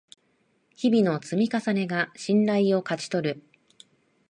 日々の積み重ねが信頼を勝ち取る